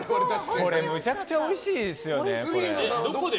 これむちゃくちゃおいしいんですよね。